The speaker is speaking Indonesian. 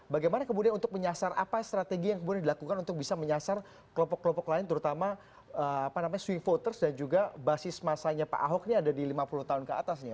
bagaimana kemudian untuk menyasar apa strategi yang kemudian dilakukan untuk bisa menyasar kelompok kelompok lain terutama swing voters dan juga basis masanya pak ahok ini ada di lima puluh tahun ke atas nih